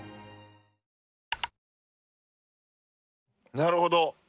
なるほど。